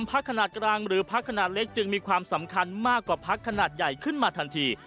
พักขนาดกลางหรือพักขนาดเล็กจึงมีความสำคัญมากกว่าพักขนาดใหญ่ขึ้นมาทันที